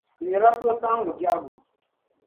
Di nyɛla suhusaɣingu biɛhigu.